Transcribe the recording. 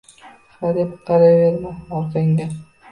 Hadeb qarayverma orqangga.